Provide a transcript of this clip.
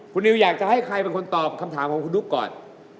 คุณนิวอยากจะให้ใครเป็นคนตอบคำถามของคุณดุ๊กก่อน